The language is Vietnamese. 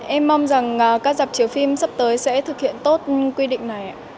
em mong rằng các dạp chiếu phim sắp tới sẽ thực hiện tốt quy định này ạ